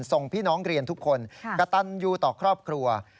ส่งพี่น้องเรียนทุกคนกระตันยูต่อครอบครัว